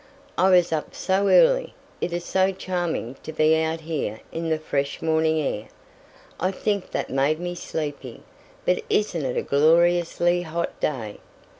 "I was up so early! It is so charming to be out here in the fresh morning air. I think that made me sleepy. But isn't it a gloriously hot day?